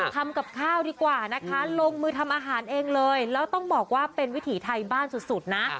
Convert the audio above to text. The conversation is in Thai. ทำกับข้าวดีกว่านะคะลงมือทำอาหารเองเลยแล้วต้องบอกว่าเป็นวิถีไทยบ้านสุดนะ